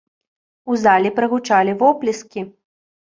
У залі прагучалі воплескі.